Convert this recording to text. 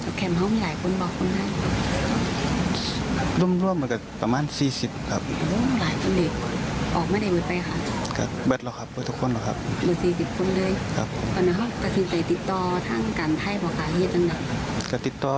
ไว้แห้งจุดนั้นที่นี้ครับ